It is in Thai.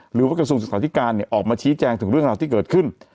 หรือว่ากระทรวงสถานการณ์เนี่ยออกมาชี้แจงถึงเรื่องราวที่เกิดขึ้น